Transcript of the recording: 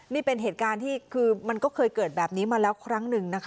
นี่เป็นเหตุการณ์ที่คือมันก็เคยเกิดแบบนี้มาแล้วครั้งหนึ่งนะคะ